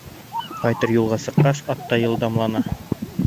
Ҡайтыр юлға сыҡҡас ат та йылдамлана.